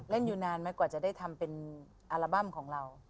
อยู่นานไหมกว่าจะได้ทำเป็นอัลบั้มของเรา